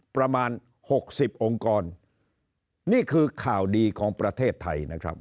ประมาณหกสิบองค์กรนี่คือข่าวดีของประเทศไทยนะครับ